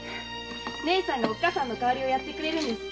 姉さんがおっかさんの代わりをやってくれるんです。